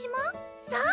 そう！